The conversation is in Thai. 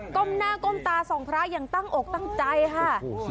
้มหน้าก้มตาส่องพระอย่างตั้งอกตั้งใจค่ะ